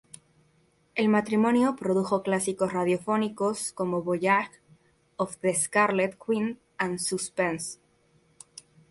El matrimonio produjo clásicos radiofónicos como "Voyage of the Scarlet Queen" y "Suspense".